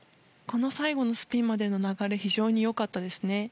この最後のスピンまでの流れは非常に良かったです。